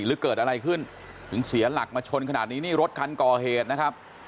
หรือเกิดอะไรขึ้นถึงเสียหลักมาชนขนาดนี้นี่รถคันก่อเหตุนะครับ